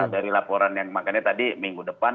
dari laporan yang makanya tadi minggu depan